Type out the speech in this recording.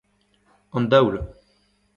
an daol